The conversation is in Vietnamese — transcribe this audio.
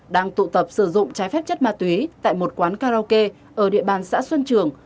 đang tụ tập sử dụng trái phép chất ma túy tại một quán karaoke ở địa bàn xã xuân trường